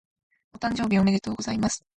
お誕生日おめでとうございます。